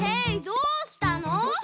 どうしたの？